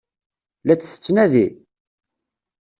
La t-tettnadi?